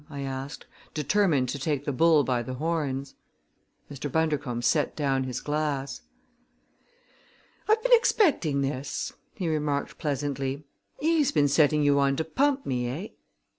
I asked, determined to take the bull by the horns. Mr. Bundercombe set down his glass. "I've been expecting this," he remarked pleasantly. "Eve's been setting you on to pump me, eh?"